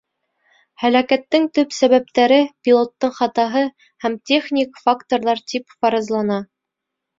— Һәләкәттең төп сәбәптәре пилоттың хатаһы һәм техник факторҙар тип фаразлана.